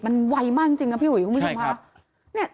มันไวมากจริงนะพี่อุ๋ยคุณผู้ชมค่ะ